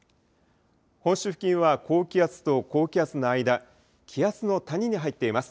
本州付近は高気圧と高気圧の間、気圧の谷に入っています。